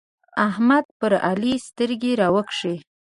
احمد پر علي سترګې راوکښې.